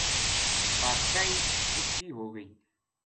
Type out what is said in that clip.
بادشاہی ا س کی ہو گئی